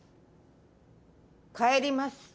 帰ります。